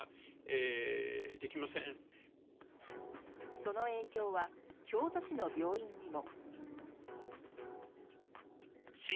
その影響は京都市の病院にも。